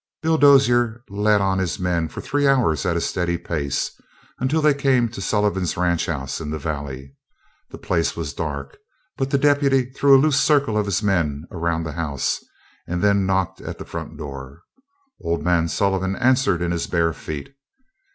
Bill Dozier led on his men for three hours at a steady pace until they came to Sullivan's ranch house in the valley. The place was dark, but the deputy threw a loose circle of his men around the house, and then knocked at the front door. Old man Sullivan answered in his bare feet.